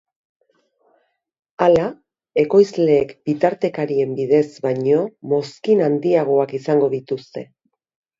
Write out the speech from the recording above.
Hala, ekoizleek bitartekarien bidez baino mozkin handiagoak izango dituzte.